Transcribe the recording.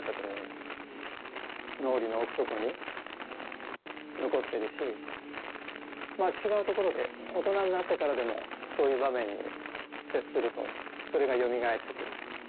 脳裏の奥底に残っているし違うところで大人になってからでもそういう場面に接するとそれがよみがえってくる。